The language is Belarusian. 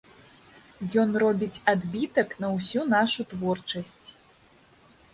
Ён робіць адбітак на ўсю нашу творчасць.